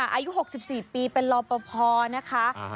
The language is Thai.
อายุ๖๔ปีเป็นรอปภนะคะ